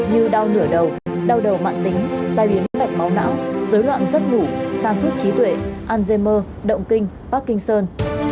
như đau nửa đầu đau đầu mạng tính tai biến bệnh máu não dối loạn giấc ngủ sa sút trí tuệ alzheimer động kinh parkinson